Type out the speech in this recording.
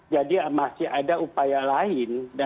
jadi masih ada upaya lain